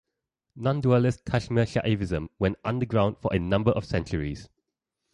Nondualist Kashmir Shaivism went underground for a number of centuries.